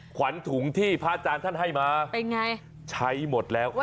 ขวัญถุงที่พระอาจารย์ท่านให้มาใช้หมดแล้วครับ